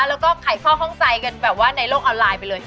แล้วก็ไขข้อข้องใจกันแบบว่าในโลกออนไลน์ไปเลย